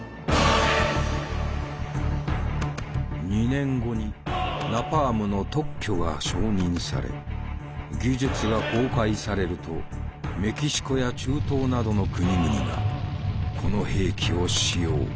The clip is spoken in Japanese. ２年後にナパームの特許が承認され技術が公開されるとメキシコや中東などの国々がこの兵器を使用。